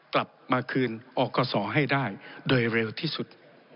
กลับมาคืนอกศให้ได้โดยเร็วที่สุด